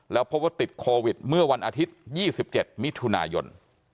แล้วพบว่าติดโควิดเมื่อวันอาทิตย์๒๗มิถุนายน